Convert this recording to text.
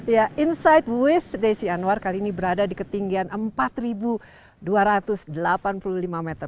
ya insight with desi anwar kali ini berada di ketinggian empat dua ratus delapan puluh lima meter